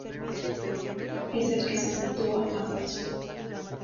Es el que se sitúa más al sur.